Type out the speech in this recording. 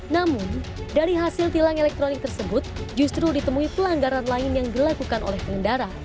namun dari hasil tilang elektronik tersebut justru ditemui pelanggaran lain yang dilakukan oleh pengendara